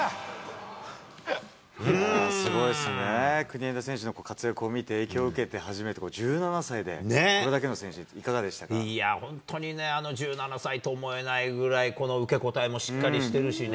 すごいですね、国枝選手の活躍を見て、影響を受けて始めて、１７歳で、これだけの選手、いやー、本当にね、あの１７歳と思えないぐらい、この受け答えもしっかりしてるしね。